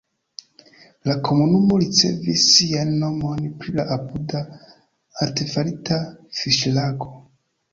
La komunumo ricevis sian nomon pri la apuda artefarita fiŝlago.